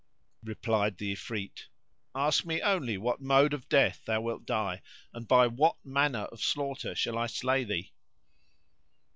Replied the Ifrit, "Ask of me only what mode of death thou wilt die, and by what manner of slaughter shall I slay thee."